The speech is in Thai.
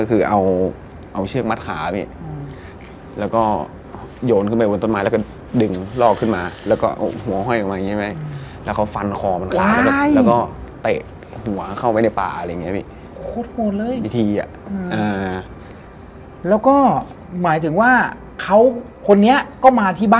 เราเชื่อพ่อเชื่อแม่เป็นเรื่องที่ดี